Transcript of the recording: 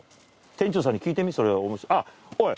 店長さんに聞いてみあっおい！